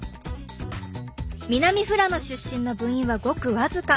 南富良野出身の部員はごく僅か。